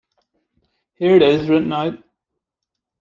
Here it is, written out.